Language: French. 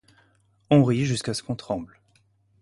On rit jusqu’à ce qu’on tremble.